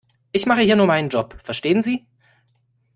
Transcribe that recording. Ich mache hier nur meinen Job, verstehen Sie?